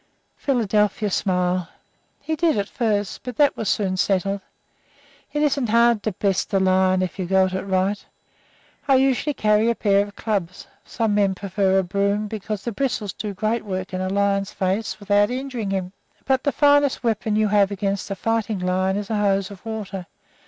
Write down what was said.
Philadelphia smiled. "He did at first, but that was soon settled. It isn't hard to best a lion if you go at it right. I usually carry a pair of clubs. Some men prefer a broom, because the bristles do great work in a lion's face, without injuring him. But the finest weapon you can use against a fighting lion is a hose of water.